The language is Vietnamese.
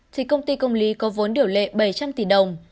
thì công ty công lý có vốn điều lệ bảy trăm linh tỷ đồng